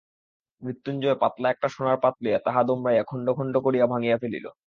মৃত্যুঞ্জয় পাতলা একটা সোনার পাত লইয়া তাহা দোমড়াইয়া খণ্ড খণ্ড করিয়া ভাঙিয়া ফেলিল।